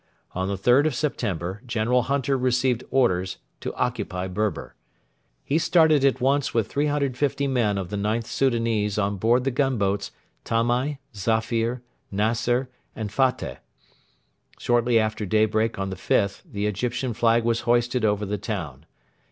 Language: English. On the 3rd of September General Hunter received orders to occupy Berber. He started at once with 350 men of the IXth Soudanese on board the gunboats Tamai, Zafir, Naser, and Fateh. Shortly after daybreak on the 5th the Egyptian flag was hoisted over the town.